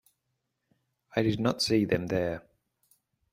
I did not see them there.